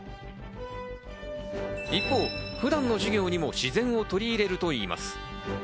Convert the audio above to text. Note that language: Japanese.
一方、普段の授業にも自然を取り入れるといいます。